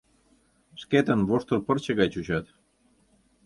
Шкетын воштыр пырче гай чучат.